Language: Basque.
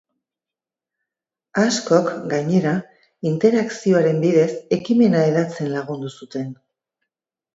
Askok, gainera, interakzioaren bidez, ekimena hedatzen lagundu zuten.